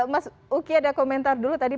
mas uki ada komentar dulu tadi